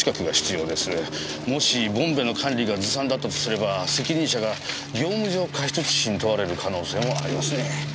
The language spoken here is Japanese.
もしボンベの管理がずさんだったとすれば責任者が業務上過失致死に問われる可能性もありますね。